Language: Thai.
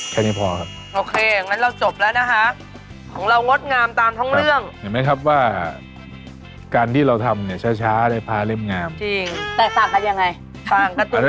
แค่นี้พอครับโอเคอย่างนั้นเราจบแล้วนะคะของเรางดงามตามทั้งเรื่องเห็นไหมครับว่าการที่เราทำเนี่ยช้าได้พาเล่มงามจริงแตกต่างกันยังไงบ้าง